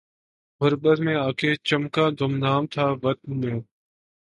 غربت میں آ کے چمکا گمنام تھا وطن میں